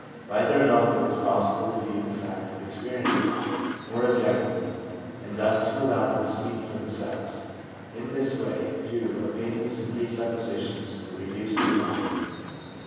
By their help it was possible to view the facts of experience more objec tively, and thus to allow them to speak for themselves. In this way, too, opinions and presuppositions were reduced to a minimum.